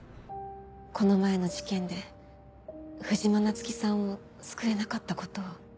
この前の事件で藤間菜月さんを救えなかったことを。